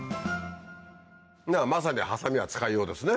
まさにハサミは使いようですね。